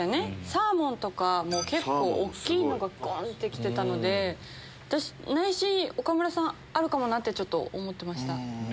サーモンとかも結構大きいのがゴン！って来てたので内心岡村さんあるかもなってちょっと思ってました。